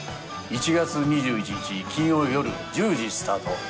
１月２１日金曜夜１０時スタート